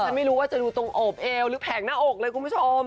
ไม่รู้ว่าจะดูตรงโอบเอวหรือแผงหน้าอกเลยคุณผู้ชม